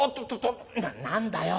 何だよ？